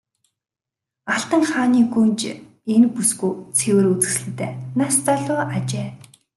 Алтан хааны гүнж энэ бүсгүй цэвэр үзэсгэлэнтэй нас залуу ажээ.